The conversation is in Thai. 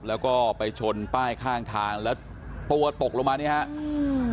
แล้วก็ไปชนป้ายข้างทางแล้วตัวตกลงมานี่ฮะอืม